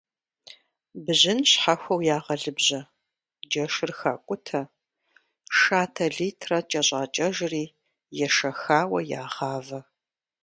Бжьын щхьэхуэу ягъэлыбжьэ, джэшыр хакӏутэ, шатэ литрэ кӏэщӏакӏэжри ешэхауэ ягъавэ.